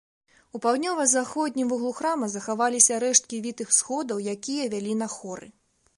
У паўднёва-заходнім вуглу храма захаваліся рэшткі вітых сходаў, якія вялі на хоры.